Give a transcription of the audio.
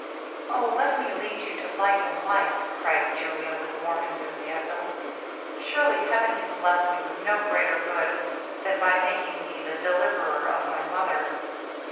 'Oh! let me lead you to light and life!' cried Julia with warm enthusiasm. 'Surely heaven can bless me with no greater good than by making me the deliverer of my mother.'